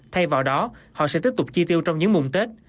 thay vào đó họ sẽ tiếp tục chi tiêu trong những mùng tết